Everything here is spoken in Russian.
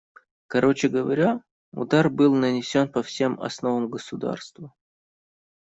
Короче говоря, удар был нанесен по всем основам государства.